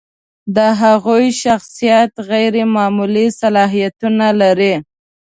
د هغوی شخصیت غیر معمولي صلاحیتونه لري.